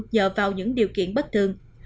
nhờ vào những điều kiện bất thường